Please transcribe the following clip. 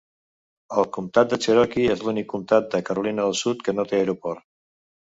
El comtat de Cherokee és l'únic comtat de Carolina del Sud que no té aeroport.